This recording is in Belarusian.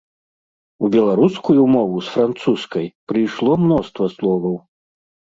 У беларускую мову з французскай прыйшло мноства словаў.